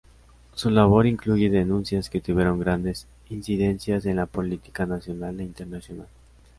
Su labor incluye denuncias que tuvieron grandes incidencias en la política nacional e internacional.